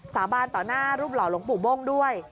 สาบานต่อหน้ารูปหล่อหลวงปู่โบ้งด้วย